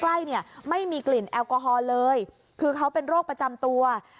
ใกล้เนี่ยไม่มีกลิ่นแอลกอฮอล์เลยคือเขาเป็นโรคประจำตัว